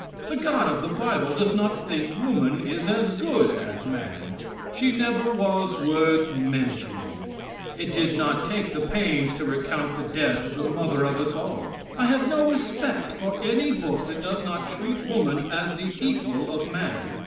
The God of the Bible does not think woman is as good as man. She never was worth mentioning. It did not take the pains to recount the death of the mother of us all. I have no respect for any book that does not treat woman as the equal of man.